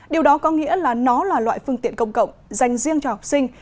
điều đó có nghĩa là nó là loại phương tiện công cộng dành riêng cho học sinh